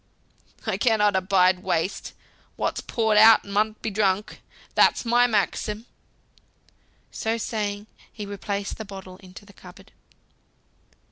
"I cannot abide waste. What's poured out mun be drunk. That's my maxim." So saying, he replaced the bottle in the cupboard.